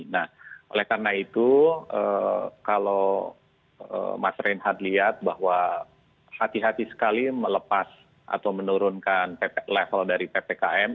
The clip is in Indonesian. nah oleh karena itu kalau mas reinhard lihat bahwa hati hati sekali melepas atau menurunkan level dari ppkm